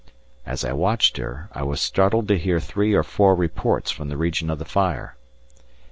As I watched her, I was startled to hear three or four reports from the region of the fire.